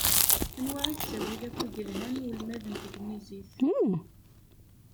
Anwa i d ttawil akk i yelhan i ulmad n tegnizit?